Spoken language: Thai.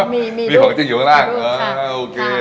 มีของจริงอยู่ข้างล่าง